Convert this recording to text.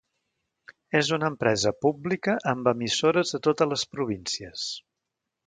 És una empresa pública amb emissores a totes les províncies.